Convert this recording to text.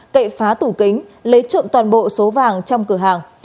cậy phá tủ kính lấy trộm toàn bộ số vàng trong cửa hàng